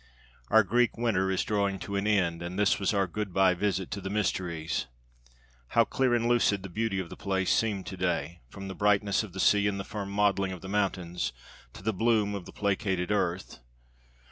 Our Greek winter is drawing to an end and this was our good bye visit to the Mysteries. How clear and lucid the beauty of the place seemed to day, from the brightness of the sea and the firm modeling of the mountains to the bloom of the placated earth!